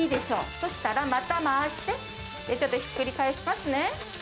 そしたらまた回して、ちょっとひっくり返しますね。